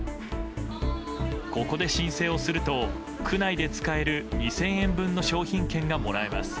ここで申請をすると区内で使える２０００円分の商品券がもらえます。